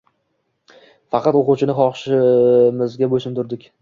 Faqat o‘quvchini xohishimizga bo‘ysundirdik.